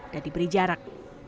dan diberi jarak